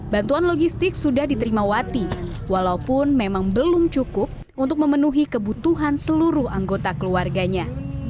bantuan logistik sudah diterima wati walaupun memang belum cukup untuk memenuhi kebutuhan seluruh anggota keluarganya